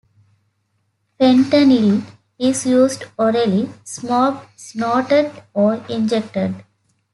Fentanyl is used orally, smoked, snorted, or injected.